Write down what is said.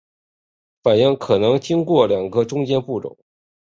反应可能经过两个中间步骤。